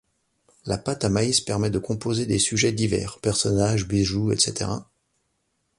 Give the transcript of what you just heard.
La pâte à maïs permet de composer des sujets divers: personnages, bijoux, etc.